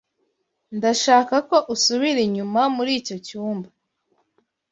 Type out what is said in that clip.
Ndashaka ko usubira inyuma muri icyo cyumba.